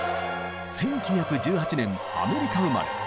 １９１８年アメリカ生まれ。